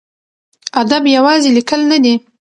ادب یوازې لیکل نه دي.